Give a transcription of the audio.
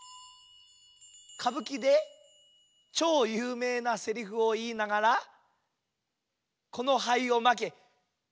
「かぶきでちょうゆうめいなセリフをいいながらこのはいをまけ」。